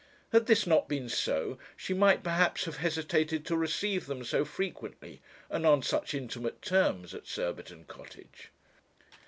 Had this not been so, she might perhaps have hesitated to receive them so frequently, and on such intimate terms, at Surbiton Cottage.'